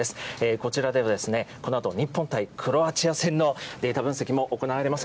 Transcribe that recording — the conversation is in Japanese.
こちらではこのあと日本対クロアチア戦のデータ分析も行われます